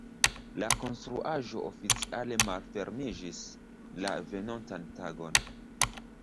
La konstruaĵo oficiale malfermiĝis la venontan tagon.